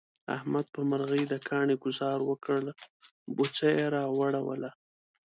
احمد په مرغی د کاڼي گذار وکړ، بوڅه یې را وړوله.